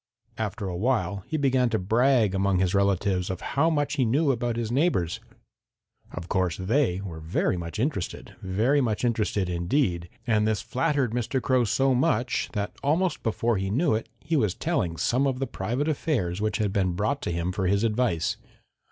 After a while he began to brag among his relatives of how much he knew about his neighbors. Of course they were very much interested, very much interested indeed, and this flattered Mr. Crow so that almost before he knew it he was telling some of the private affairs which had been brought to him for his advice.